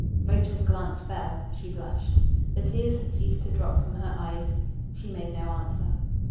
Rachel's glance fell. She blushed. The tears had ceased to drop from her eyes. She made no answer.